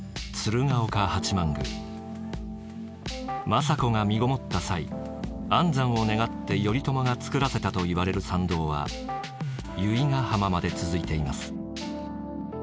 政子が身ごもった際安産を願って頼朝が作らせたといわれる参道は由比ヶ浜まで続いています。